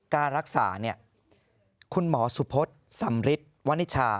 การรักษานี่คุณหมอสุพฤทธิ์สำฤิษฐ์วณิชชา